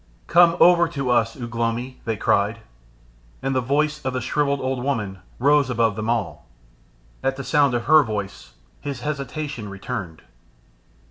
"Come over to us, Ugh lomi," they cried, and the voice of the shrivelled old woman rose above them all. At the sound of her voice his hesitation returned.